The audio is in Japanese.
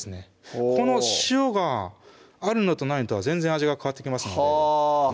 ほうこの塩があるのとないのとは全然味が変わってきますのではぁ